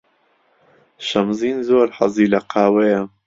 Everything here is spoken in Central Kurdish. شەمزین زۆر حەزی لە قاوەیە.